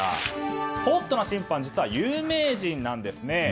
ホットな審判実は有名人なんですね。